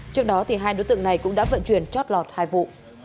trước đó hai đối tượng này cũng đã vận chuyển chót lọt hai vụ